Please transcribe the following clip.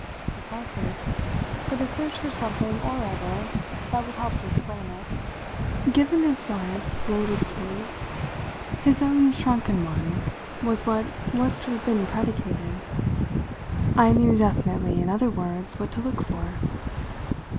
"Precisely: for the search for something or other that would help to explain it. Given his wife's bloated state, his own shrunken one was what was to have been predicated. I knew definitely, in other words, what to look for."